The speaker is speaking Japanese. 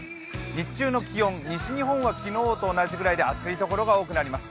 日中の気温、西日本は昨日と同じぐらいで暑いところが多くなります。